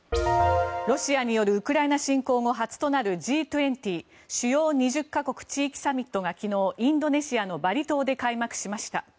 ロシアによるウクライナ侵攻後初となるＧ２０＝主要２０か国・地域サミットが昨日、インドネシアのバリ島で開幕しました。